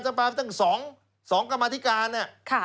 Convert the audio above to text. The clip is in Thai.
สภาร้องกรรมาธิการตั้ง๒กรรมาธิการ